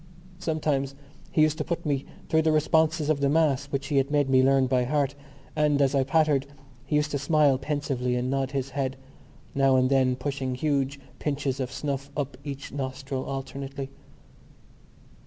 Sometimes he used to put me through the responses of the Mass which he had made me learn by heart; and, as I pattered, he used to smile pensively and nod his head, now and then pushing huge pinches of snuff up each nostril alternately.